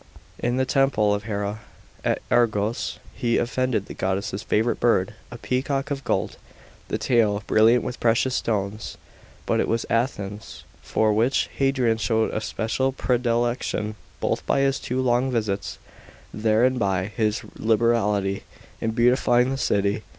In the temple of Hera at Argos he offered the goddess's favourite bird, a peacock of gold, the tail brilliant with precious stones. But it was Athens lor which Hadrian showed a special predilection, both by his two long visits there and by his liberality in beautifying the city.